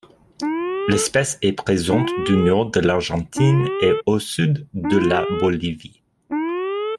L'espèce est présente du nord de l'Argentine et au sud de la Bolivie.